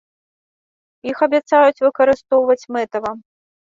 Іх абяцаюць выкарыстоўваць мэтава.